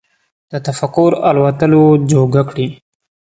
د تفکر الوتلو جوګه کړي